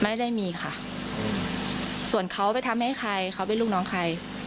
ไม่ได้มีค่ะส่วนเขาไปทำให้ใครเขาเป็นลูกน้องใคร